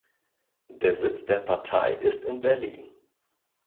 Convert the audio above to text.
Der Sitz der Partei ist in Berlin.